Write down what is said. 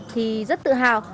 thì rất tự hào